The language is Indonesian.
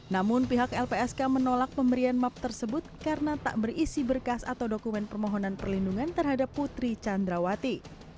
namun pihak lpsk menolak pemberian map tersebut karena tak berisi berkas atau dokumen permohonan perlindungan terhadap putri candrawati